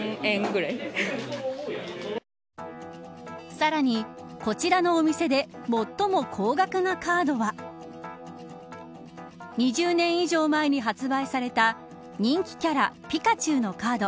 さらに、こちらのお店で最も高額なカードは２０年以上前に発売された人気キャラピカチュウのカード。